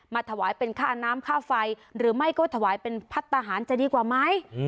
ถวายเป็นค่าน้ำค่าไฟหรือไม่ก็ถวายเป็นพัฒนาหารจะดีกว่าไหม